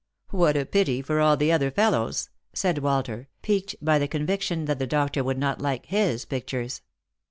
" What a pity for all the other fellows !" said Walter, piqued by the conviction that the doctor would not like his pictures.